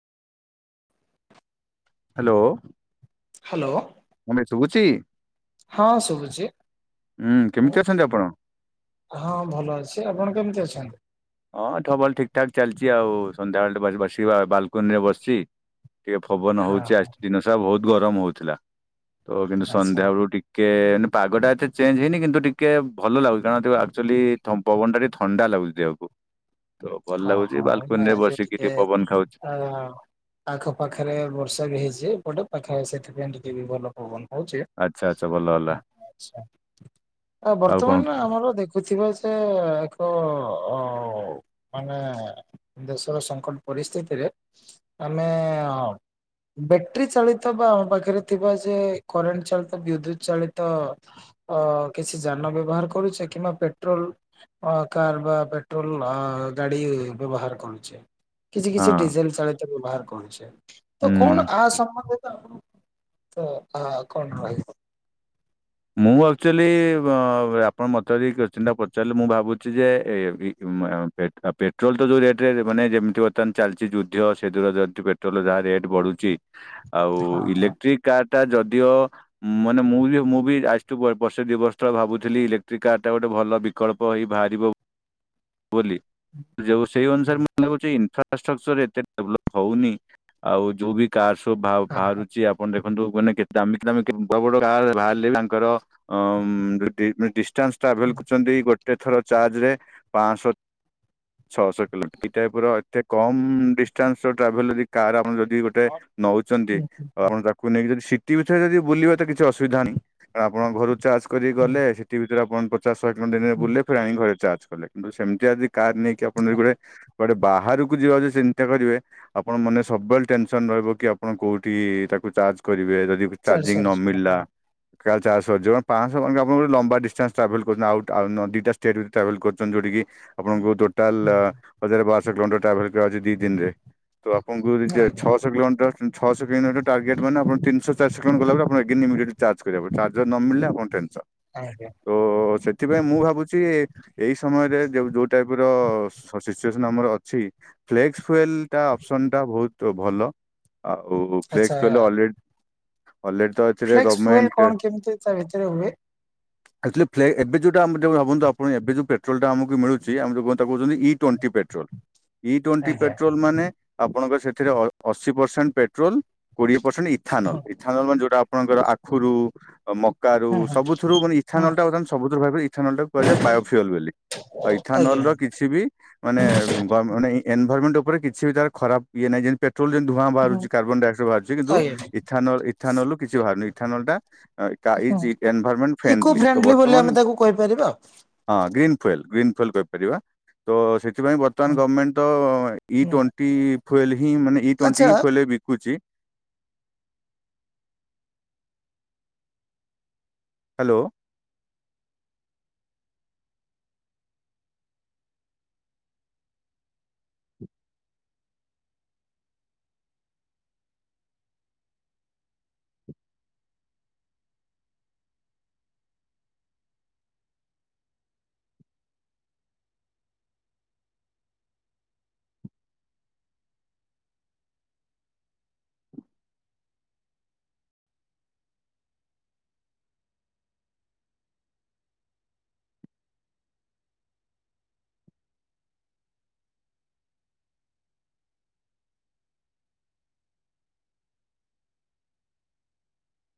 [inaudible] Hello. Hello. ମୁମେ ଶୁଭୁଛି, ହଁ ଶୁଭୁଛି ଉୁଁ କେମିତି ଅଛନ୍ତି ଆପଣ? ହଁ ଭଲ ଅଛି, ଆପଣ କେମିତି ଅଛନ୍ତି? ହଁ, ଠବଲ୍ ଠିକ୍ ଠାକ୍ ଚାଲିଛି ଆଉ ସନ୍ଧ୍ୟାବେଳେ ବସିବା ଆଉ, ବାଲ କୁନି ରେ ବସି, ଟିକେ ଫବନ ହଁ ହଉଛି, ହଁ ଆଜି ଦିନସାରା ବହୁତ ଗରମ ହଉଥିଲା। ତ କିନ୍ତୁ ଆଚ୍ଛା ସନ୍ଧ୍ୟାବେଳୁ ଟି କେନ୍ ପାଗ ଟା ଏତେ ଚେଞ୍ଜ ହେଇନି କିନ୍ତୁ ଟିକେ ଭଲ ଲାଗୁଛି, କାରଣ ଆକ୍ଚୁଆଲି ଥମ୍ ପବନ ଟା ଟିକେ ଥଣ୍ଡା ଲାଗୁଛି ଦେହକୁ। ତ ଭଲ ହଁ ଲାଗୁଛି ହଁ ବାଲକୁନି ନା ରେ ଆଜି ବସିକି ଟିକେ ପବନ ଖାଉଛି। ଅ ଆଖପାଖରେ ବର୍ଷା ବି ହେଇଛି। ଏପଟେ ପାଖାଏ ସେଥିପାଇଁ ଟିକେ ବି ଭଲ ପବନ ହଉଛି? ଆଚ୍ଛା ଆଚ୍ଛା ଭଲ ହେଲା ଆଛା ଅ ଆଉ କଣ ବର୍ତ୍ତମାନ ଆମର ଦେଖ କୁଥିବ ସେ ଏକ ଅ ମାନେ ଦେଶର ସଙ୍କଟ ପରିସ୍ଥିତିରେ ଆମେ ଅ ବେଟେରି ଚାଳିତ ବା ଆମ ପାଖରେ ଥିବା ସେ କରେଣ୍ଟ ଚାଳିତ ବିଦ୍ୟୁତ ଚାଳିତ ଅ କିଛି ଯାନ ବ୍ୟବହାର କରୁଛେ କିମ୍ବା ପେଟ୍ରୋଲ ଅ କାର୍ ବା ପେଟ୍ରୋଲ ଆ ଗାଡ଼ି ବ୍ୟବହାର କରୁଛେ। କିଛି ହଁ କିଛି ଡିଜେଲ ଚାଳିତ ବ୍ୟବହାର କରୁଛେ। ତ ହୁଁ। କଣ ଆ ସମ୍ବନ୍ଧୀତ ତ- ଆ କଣ ରହି ମୁଁ ଆକ୍ଚୁଆଲି ବ ଆପଣ ମତେ ଯଦି କ୍ୱେଶ୍ଚିନ୍ ପଚାରିଲେ ମୁଁ ଭାବୁଛି ଯେ ଏ ବି ପେ ପେଟ୍ରୋଲ୍ ତ ଯୋଉଁ ରେଟରେ ମାନେ ଯେମିତି ବର୍ତ୍ତମାନ ଚାଲିଛି ଯୁଦ୍ଧ ସେ ଦୂରା ଯଦି ପେଟୋଲ ଯାହା ରେଟ୍ ବଢ଼ୁଛି ଆଉ ହଁ ହଁ। ଇଲେକ୍ଟ୍ରିକ କାର ଟା ଯଦିଓ ମାନେ ମୁଁ ବି ମୁଁ ବି ଆଜିଠୁ ବର୍ଷେ ଦୁଇ ବର୍ଷ ତଳେ ଭାବୁଥିଲି ଇଲେକ୍ଟ୍ରିକ୍ କାର୍ ଟା ଗୋଟେ ଭଲ ବିକଳ୍ପ ହେଇ ବାହାରିବ। ବୋଲି। ଯୋଉ ସେଇ ଅନୁସାରେ ମତେ ଲାଗୁଛି ଇନଫ୍ରାଷ୍ଟ୍ରକ୍ଚର ଏତେ ଡେଭଲପ୍ ହଉନି ଆଉ ଯୋଉ ବି କାର ସବୁ ବାହା- ବାହାରୁଛି ଆପଣ ଦେଖନ୍ତୁ ମାନେ କେତେ ଦାମିକା ଦାମିକା ବଡ କାର ବାହାରିଲେ ବି ତ ଅଂ ଡିଷ୍ଟାନ୍ସ ଟ୍ରାଭେଲ କରୁଛନ୍ତି ଗୋ ଗୋଟେ ଥର ଚାର୍ଜ ରେ ପାଂଶ ଛଅଶହ କିଲୋମିଟର ଏଇ ଟାଇପ ର ଏତେ କମ୍ ଡିଷ୍ଟାନ୍ସ ର ଟ୍ରାଭେଲ ଯଦି କାର ଆପଣ ଯଦି ଗୋଟେ ନଉ ଚନ୍ତି ହୁଁ। ଆଉ ଆପଣ ତାକୁ ନେଇକି ଯଦି ସିଟି ଭିତରେ ଯଦି ବୁଲିବେ ତ କିଛି ଅସୁବିଧାନାହିଁ କାରଣ ଆପଣ ଘରୁ ଚାର୍ଜ କରିକ ହଁ ଗଲେ ସେଠି ଭିତରେ ଆପଣ ପଚାଶ ଶହେ କିଲୋମିଟର୍ ଯାଏଁ ହୁଁ ବୁଲିଲେ ଫେର ଆଣିକି ଘରେ ଚାର୍ଜ କଲେ। କିନ୍ତୁ ସେମିତିଆ ଯଦି କାର ନେଇକି ଆପଣ ଯଦି ଗୋଟେ କୁଆଡ଼େ ବାହାରକୁ ଯିବାକୁ ଯଦି ଚିନ୍ତା କରିବେ ଆପଣ ମନରେ ସବୁବେଳେ ଟେନସନ ରହିବ କି ଆପଣ କୋଉଠି ତାକୁ ଚାର୍ଜ କରିବେ ଯଦି ଚାରି ଚାର୍ଜିଙ୍ଗ ଶହ ନ ମିଳିଲା। ହଁ କାର ଚାର୍ଜ ସରିଯିବ ପାଂଶ ମାନେ ଆପଣ ଲମ୍ବା ଡିଷ୍ଟାନ୍ସ ଟ୍ରାଭେଲ କରିଛନ୍ତି ଆଉ ଦିଟା ଷ୍ଟେଟ୍ ବି ଟ୍ରାଭେଲ କରଛନ୍ତି ଯୋଉଠିକି ଆପଣଙ୍କୁ ଟୋଟାଲ ହୁଁ ହଜାର ବାରଶହ କିଲୋମିଟର ଟ୍ରାଭେଲ ଅଛି ଦି ଦିନରେ ତ ଆପଣଙ୍କୁ ନିଜେ ଆଜ୍ଞା ଛଅଶହ କିଲୋମିଟର ଛଅଶହ କିଲୋମିଟର ଟାର୍ଗେଟ ମାନେ ଆପଣ ତିନିଶହ ଚାରିଶହ କିଲୋମିଟର ଗଲା ପରେ ଆପଣ ଏଗେନ୍ ଇମିଡେଟ ଚାର୍ଜ ଚାର୍ଜ କରିବାକୁ ପଡ଼ିବ। ଚାର୍ଜର ନ ମିଳିଲେ ଆପଣ ଟେନସନ୍। ଆଜ୍ଞା। ଓ ସେଥିପାଇଁ ମୁଁ ଭାବୁଛି ଏଇ ସମୟରେ ଯୋଉ ଯୋଉ ଟାଇପର ସ ସିଚୁଏସନ୍ ଆମର ଅଛି ଫ୍ଲେକ୍ସ ଫୁଏଲ ଟା ଅପସନ୍ ଟା ବହୁତ ଭଲ। ଆଉ ଆଚ୍ଛା ଫ୍ଲେକ୍ସ ଫୁଏଲେ ଅଲରେ ଅଲରେଡି ତ ଏଥିରେ ଫ୍ଲେକ୍ସ ଫୁଏଲ ଗର୍ମେଣ୍ଟ କଣ କେମିତି ତା ଭିତରେ ହୁଏ? ଆକଚୁଏଲି ଫ୍ଲେକ ଏବେ ଯୁଉଟା ଆମେ [unintelligible] ଆପଣ ଏବେଯଉ ପେଟ୍ରୋଲ ଟା ଆମକୁ ମିଳୁଛି ଆମେ ତାକୁ କହୁଚନ୍ତି E twenty petrol E twenty ଆଜ୍ଞା ପେଟ୍ରୋଲ ମାନେ ଆପଣଙ୍କର ସେଥିରେ ଅ-ଅଶୀ ପରସେଣ୍ଟ ପେଟ୍ରୋଲ କୋଡିଏ ପରସେଣ୍ଟ ଇଥାନଲ ହୁଁ ଇଥାନଲ ମାନେ ଯୋଉଟା ଆପଣଙ୍କର ଆଖୁରୁ ଆଉ ମକ ମକାରୁ ହୁଁ ହୁଁ ସବୁଥିରୁ ମାନେ ଇଥାନଲ ଆଜ୍ଞା ବର୍ତ୍ତମାନ ସବୁଥରୁ ଭାବ ଇଥାନଲ ଟା କୁ କୁହାଯାଏ। ଯାଏ ବାଓଫିଅଲ ବୋଲି। ଆଉ ଇଥାନଲ ର ଆଜ୍ଞା। କିଛି ବି ମାନେ ମାନେ ଏନଭାଇରମେଣ୍ଟ ଉପରେ କିଛି ବି ତାର ଖରାପ ଇଏ ନାହିଁ ଯେମିତି ପଟ୍ରୋଲ ଯେମିତି ଧୂଆଁ ହୁଁ। ବାହାରୁଛି କାର୍ବନଡାଇଅକ୍ସାଇଡ ବାରୁଛି କିନ୍ତ ଆଜ୍ଞା। ଇଥାନଲ ଇଥାନଲୁ କିଛି ବାହାରୁନି ଇଥାନଲ୍ ଟା ତା ଇଜ ଏନ୍ଭାଇରମେଣ୍ଟ ଇକୋ ଫ୍ରେଣ୍ଡଲି ତ ବୋଲି ଆମେ ବର୍ତ୍ତମାନ ତାକୁ କହିପାରିବା। ହଁ ଗ୍ରୀନ୍ ଫଏଲ୍ ଗ୍ରୀନ୍ ଫୁଏଲ୍ କହିପାରିବା ତ ସେଥିପାଇଁ ବର୍ତ୍ତମାନ ଗର୍ମେଣ୍ଟ ତ ଇ ହୁଁ ଟ୍ଵେଣ୍ଟି ପି ଫୋଏଲ୍ ହିଁ ମାନେ ଇ ଟ୍ୱେଣ୍ଟି ଆଚ୍ଛା ହିଁ ଫୋଏଲ୍ ବିକୁଛି। ହ୍ୟାଲୋ।